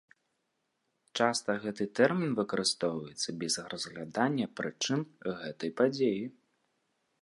Часта гэты тэрмін выкарыстоўваецца без разглядання прычын гэтай падзеі.